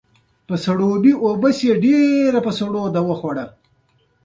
راځئ چې کښت وکړو.